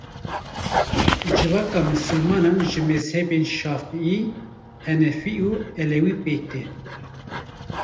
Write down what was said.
Civaka misilmanan ji mezhebên şafiî, henefî û elewî pêk tê.